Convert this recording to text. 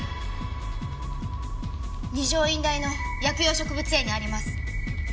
二条院大の薬用植物園にあります。